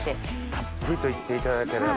たっぷりといっていただければ。